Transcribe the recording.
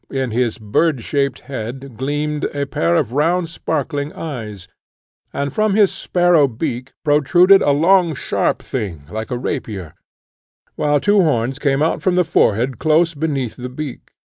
In his bird shaped head gleamed a pair of round sparkling eyes, and from his sparrow beak protruded a long sharp thing like a rapier, while two horns came out from the forehead close below the beak.